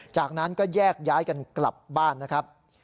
จากนั้นก็แยกย้ายกันกลับบ้านนะครับ